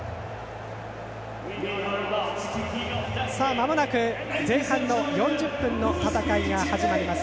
まもなく前半の４０分の戦いが始まります。